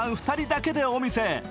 ２人だけでお店へ。